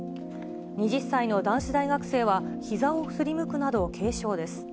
２０歳の男子大学生は、ひざをすりむくなど軽傷です。